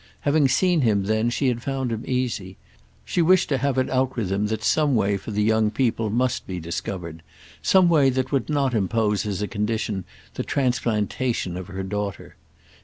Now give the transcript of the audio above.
Having seen him then she had found him easy; she wished to have it out with him that some way for the young people must be discovered, some way that would not impose as a condition the transplantation of her daughter.